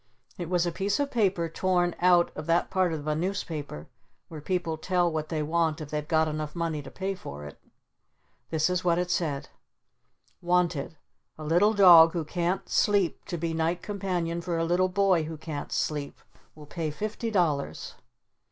It was a piece of paper torn out of that part of a newspaper where people tell what they want if they've got money enough to pay for it. This is what it said: "WANTED a little dog who can't sleep to be night companion for a little boy who can't sleep. Will pay fifty dollars."